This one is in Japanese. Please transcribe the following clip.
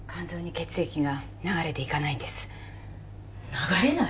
流れない？